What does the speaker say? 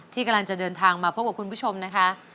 กำลังจะเดินทางมาพบกับคุณผู้ชมนะคะ